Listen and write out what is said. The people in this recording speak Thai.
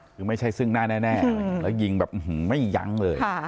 คือไม่ใช่ซึ่งหน้าแน่แน่แล้วก็ยิงแบบอื้อหือไม่ยังเลยค่ะ